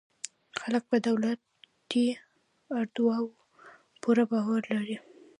خلک په دولتي ادارو پوره باور لري.